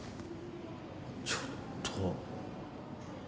ちょっと。